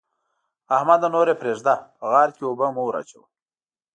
احمده! نور يې پرېږده؛ په غار کې اوبه مه وراچوه.